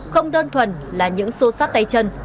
không đơn thuần là những xô sát tay chân